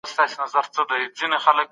پولیس څنګه پلټنه کوي؟